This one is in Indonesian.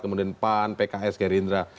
kemudian pan pks gerindra